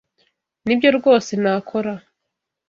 Nibyo rwose nakora.